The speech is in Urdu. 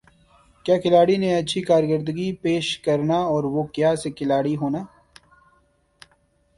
کَیا کھلاڑی نے اچھی کارکردگی پیش کرنا اور وُہ کَیا سے کھلاڑی ہونا